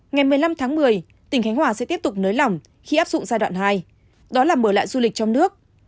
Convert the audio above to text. ngày một mươi năm tháng một mươi tỉnh khánh hòa sẽ tiếp tục nới lỏng khi áp dụng giai đoạn hai đó là mở lại du lịch trong nước